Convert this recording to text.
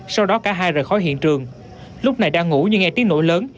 sau đó cả hai rời khỏi hiện trường lúc này đang ngủ nhưng nghe tiếng nổ lớn